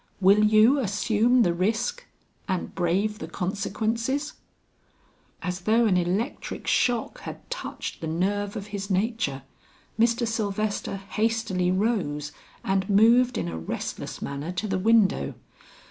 Will you assume the risk and brave the consequences?" As though an electric shock had touched the nerve of his nature, Mr. Sylvester hastily rose and moved in a restless manner to the window.